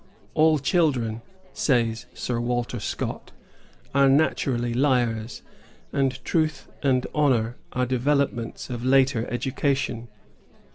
All children, says Sir Walter Scott, are naturally liars; and truth and honor are developments of later education.